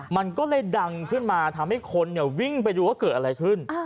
มันก็เลยดังขึ้นมาทำให้คนวิ่งไปดูว่าเกิดอะไรขึ้น